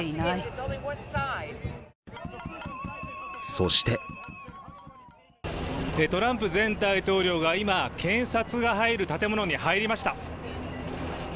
そしてトランプ前大統領が今、検察が入る建物に入りました。